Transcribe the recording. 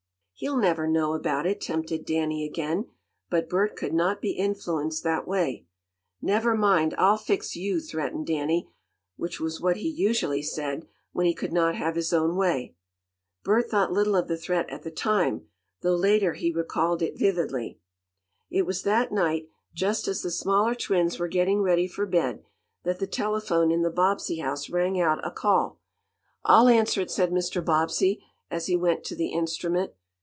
"He'll never know about it," tempted Danny again, but Bert could not be influenced that way. "Never mind, I'll fix you!" threatened Danny, which was what he usually said, when he could not have his own way. Bert thought little of the threat at the time, though later he recalled it vividly. It was that night, just as the smaller twins were getting ready for bed, that the telephone in the Bobbsey house rang out a call. "I'll answer it," said Mr. Bobbsey, as he went to the instrument.